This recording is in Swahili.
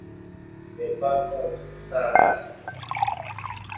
Nimepaka ukuta rangi